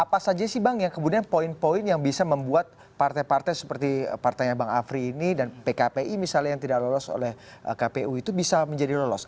apa saja sih bang yang kemudian poin poin yang bisa membuat partai partai seperti partainya bang afri ini dan pkpi misalnya yang tidak lolos oleh kpu itu bisa menjadi lolos